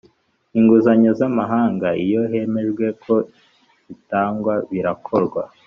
inguzanyo z ‘amahanga iyo hemejwe ko zitangwa birakorwa.